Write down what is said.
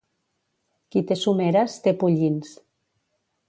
Qui té someres, té pollins.